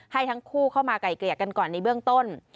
ให้ทั้งคู่เข้ามาไก่เกลี่ยกันก่อนในเบื้องต้น